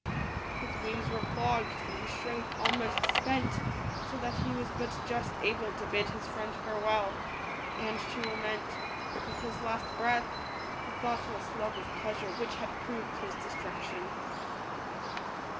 His wings were clogged, and his strength almost spent; so that he was but just able to bid his friend farewell, and to lament, with his last breath, the thoughtless love of pleasure which had proved his destruction.